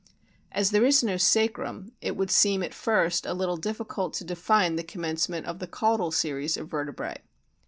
As there is no sacrum it would seem at first a little difficult to define the commencement of the caudal series of vertebrae.